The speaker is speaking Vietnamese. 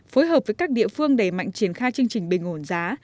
phối hợp với các địa phương đẩy mạnh triển khai chương trình bình ổn giá